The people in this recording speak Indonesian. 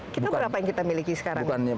kita berapa yang kita miliki sekarang